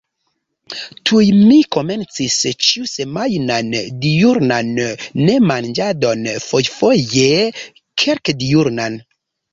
Tuj mi komencis ĉiusemajnan diurnan nemanĝadon, fojfoje kelkdiurnan.